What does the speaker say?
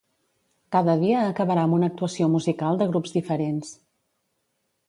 Cada dia acabarà amb una actuació musical de grups diferents.